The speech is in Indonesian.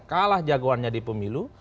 kalah jagoannya di pemilu